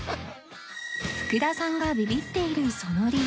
福田さんがビビッているその理由